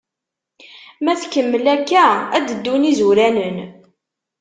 Ma tkemmel akka, ad d-ddun izuranen.